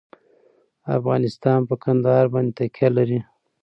افغانستان په کندهار باندې تکیه لري.